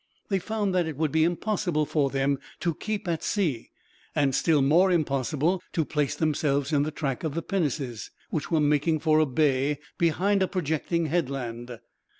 They found that it would be impossible for them to keep at sea, and still more impossible to place themselves in the track of the pinnaces, which were making for a bay behind a projecting headland.